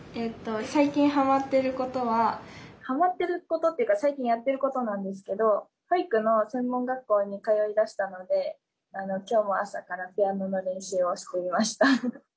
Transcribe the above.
最近ハマってることはハマってることっていうか最近やってることなんですけど保育の専門学校に通いだしたので今日も朝からピアノの練習をしていました。